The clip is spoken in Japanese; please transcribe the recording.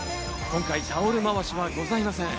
今回タオル回しはございません。